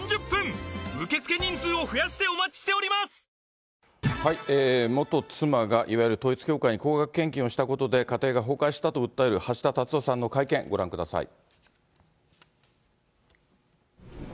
先ほどから会見を開き、元妻が、いわゆる統一教会に高額献金をしたことで、家庭が崩壊したと訴える橋田達夫さんの会見、ご覧ください。